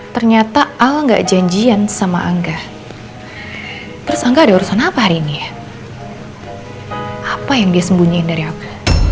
ternyata al gak janjian sama angga terus angga ada urusan apa hari ini apa yang dia sembunyiin dari aku